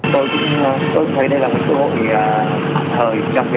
tôi cũng thấy đây là một cơ hội ảnh hưởng trong bối cảnh mà cả thế giới đang dịch như vậy